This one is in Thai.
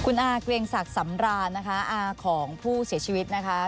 คุณอาเกรียงศักดิ์สำรานนะคะอาของผู้เสียชีวิตนะคะ